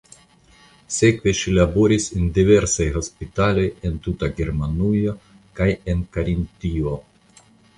Sekve ŝi laboris en diversaj hospitaloj en tuta Germanujo kaj en Karintio.